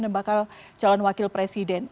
dan bakal calon wakil presiden